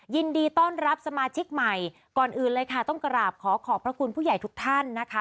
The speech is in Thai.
ยินดีต้อนรับสมาชิกใหม่ก่อนอื่นเลยค่ะต้องกราบขอขอบพระคุณผู้ใหญ่ทุกท่านนะคะ